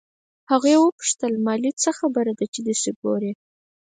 هغې وپوښتل مالې څه خبره ده چې دسې ګورې.